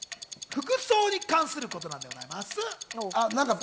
服装に関することなんでございます。